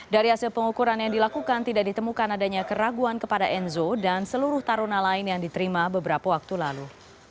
dari hasil pengukuran yang dilakukan tidak ditemukan adanya keraguan kepada enzo dan seluruh taruna lain yang diterima beberapa waktu lalu